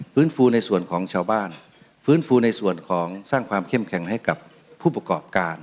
ฟูในส่วนของชาวบ้านฟื้นฟูในส่วนของสร้างความเข้มแข็งให้กับผู้ประกอบการ